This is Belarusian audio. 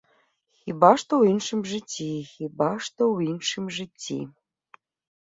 Хіба што ў іншым жыцці, хіба што ў іншым жыцці.